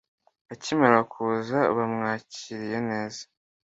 Akimara kuza bamwakiriye nez